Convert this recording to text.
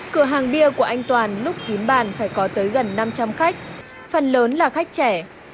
cửa hàng bia của anh toàn lúc kín bàn phải có tới gần năm trăm linh khách phần lớn là khách trẻ